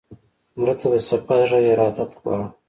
مړه ته د صفا زړه ارادت غواړو